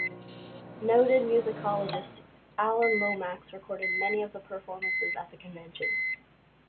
Noted musicologist Alan Lomax recorded many of the performances at the convention.